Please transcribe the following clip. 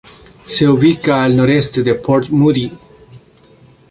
Se ubica al noroeste de Port Moody.